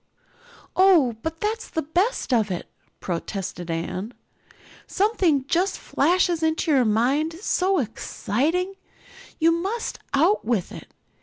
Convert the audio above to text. "Oh, but that's the best of it," protested Anne. "Something just flashes into your mind, so exciting, and you must out with it.